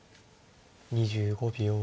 ２５秒。